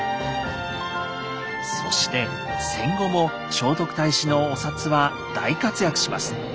そして戦後も聖徳太子のお札は大活躍します。